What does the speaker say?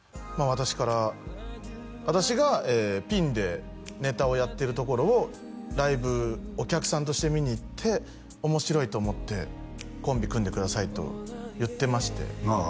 私から私がピンでネタをやってるところをライブお客さんとして見に行って面白いと思って「コンビ組んでください」と言ってましてああ